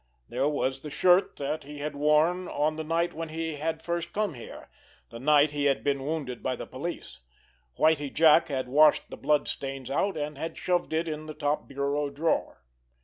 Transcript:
There was the shirt that he had worn on the night when he had first come here, the night he had been wounded by the police. Whitie Jack had washed the blood stains out, and had shoved it in the top bureau drawer.